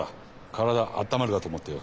体あったまるかと思ってよ。